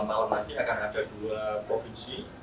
malam nanti akan ada dua provinsi